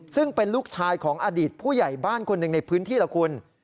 ซึ่งเป็นลูกชายของอดีตผู้ใหญ่บ้านคนหนึ่งในพื้นที่ล่ะคุณ